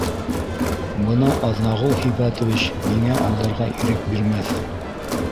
Бына Аҙнағол Һибәтович миңә алдарға ирек бирмәҫ